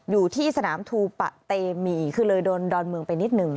อยู่ที่สนามทูปะเตมีคือเลยโดนดอนเมืองไปนิดนึง